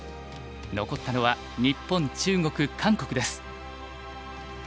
残ったのは日本中国韓国です。